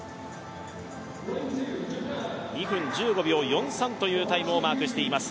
２分１５秒４３というタイムをマークしています。